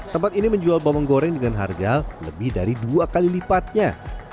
tempat ini menjual bawang goreng dengan harga lebih dari dua kali lipatnya